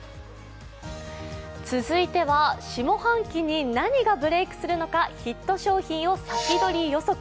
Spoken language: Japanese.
続いては下半期に何がブレークするのかヒット商品を先取り予測。